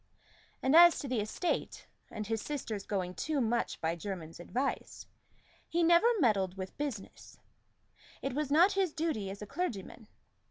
And as to the estate, and his sister's going too much by Jermyn's advice, he never meddled with business: it was not his duty as a clergyman.